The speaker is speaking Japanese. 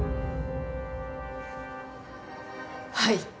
はい。